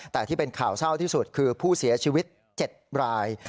แต่ที่เป็นข่าวเศร้าที่สุดคือผู้เสียชีวิต๗ราย